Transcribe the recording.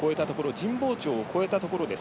神保町を超えたところです。